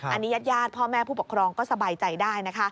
อันนี้ญาติพ่อแม่ผู้ปกครองก็สบายใจได้นะคะ